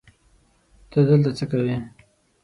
ته دلته څه کوی